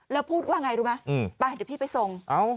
แล้วพูดว่าอย่างไรรู้ไหมไปเดี๋ยวพี่ไปส่งเอ้า